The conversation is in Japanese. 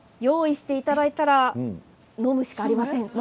用意していただいたら飲むしかありません。